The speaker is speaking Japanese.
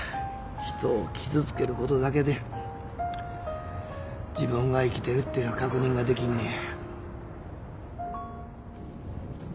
人を傷つけることだけで自分が生きてるっていう確認ができんねや。